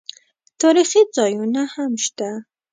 تاریخي ځایونه هم شته.